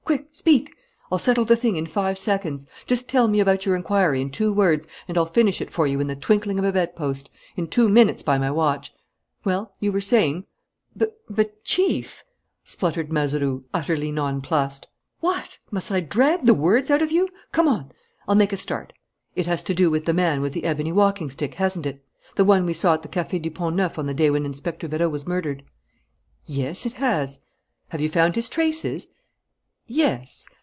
Quick, speak! I'll settle the thing in five seconds. Just tell me about your inquiry in two words, and I'll finish it for you in the twinkling of a bed post, in two minutes by my watch. Well, you were saying " "But, Chief," spluttered Mazeroux, utterly nonplussed. "What! Must I drag the words out of you? Come on! I'll make a start. It has to do with the man with the ebony walking stick, hasn't it? The one we saw at the Café du Pont Neuf on the day when Inspector Vérot was murdered?" "Yes, it has." "Have you found his traces?" "Yes."